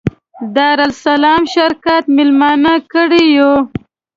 دارالسلام شرکت مېلمانه کړي یو.